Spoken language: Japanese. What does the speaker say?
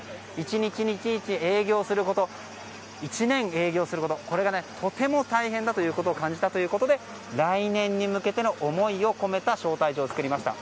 １日１日営業すること１年営業することこれがとても大変だということで来年に向けての思いを込めた招待状を作りました。